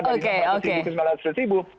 dari lima ratus ribu ke sembilan ratus ribu